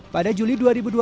pada juli dua ribu dua puluh